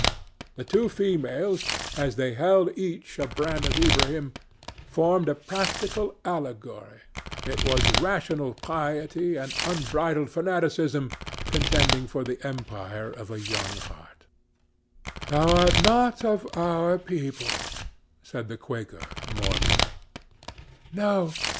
The two females, as they held each a hand of Ilbrahim, formed a practical allegory: it was rational piety and unbridled fanaticism contending for the empire of a young heart. "Thou art not of our people," said the Quaker, mournfully.